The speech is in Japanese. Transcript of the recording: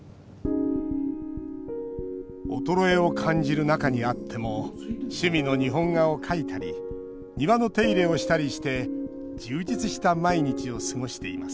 衰えを感じる中にあっても趣味の日本画を描いたり庭の手入れをしたりして充実した毎日を過ごしています